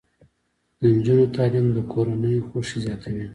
د نجونو تعلیم د کورنۍ خوښۍ زیاتوي.